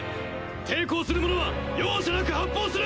抵抗する者は容赦なく発砲する！